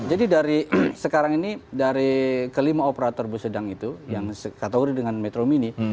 jadi dari sekarang ini dari kelima operator bus sedang itu yang kategori dengan metro mini